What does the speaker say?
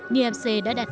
nfc đã đặt